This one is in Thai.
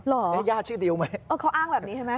หรอเห็นย่าชื่อดิวไหมโอ้เขาอ้างแบบนี้ใช่ไหม